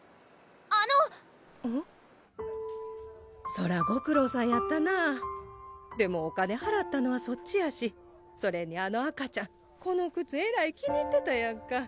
そらご苦労さんやったなぁでもお金はらったのはそっちやしそれにあの赤ちゃんこの靴えらい気に入ってたやんか